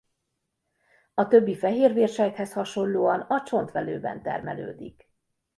A többi fehérvérsejthez hasonlóan a csontvelőben termelődik.